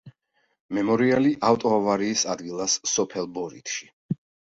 მემორიალი ავტოავარიის ადგილას სოფელ ბორითში.